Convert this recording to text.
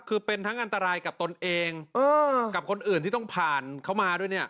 คือเป็นทั้งอันตรายกับตนเองกับคนอื่นที่ต้องผ่านเขามาด้วยเนี่ย